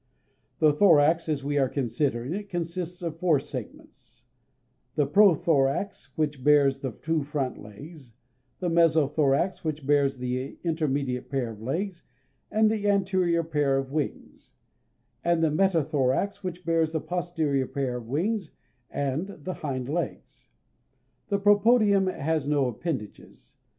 The thorax, as we are considering it, consists of four segments the prothorax (_b_^1), which bears the two front legs; the mesothorax (_b_^2), which bears the intermediate pair of legs and the anterior pair of wings; and the metathorax (_b_^3), which bears the posterior pair of wings and the hind legs. The propodeum has no appendages.